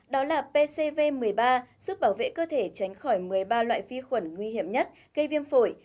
đó là pcv một mươi ba giúp bảo vệ cơ thể tránh khỏi một mươi ba loại vi khuẩn nguy hiểm nhất gây viêm phổi